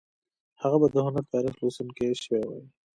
هغه به د هنر تاریخ لوستونکی شوی وای